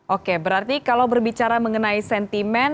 oke berarti kalau berbicara mengenai sentimen